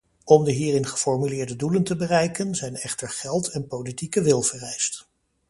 Om de hierin geformuleerde doelen te bereiken, zijn echter geld en politieke wil vereist.